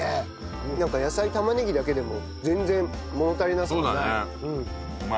なんか野菜玉ねぎだけでも全然物足りなさがない。